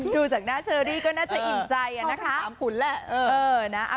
ดูจากหน้าเชอรี่ก็น่าจะอิ่มใจนะคะ๓ขุนแหละ